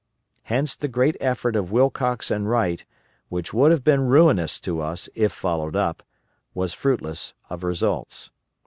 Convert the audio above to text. Hence the great effort of Wilcox and Wright, which would have been ruinous to us if followed up, was fruitless of results.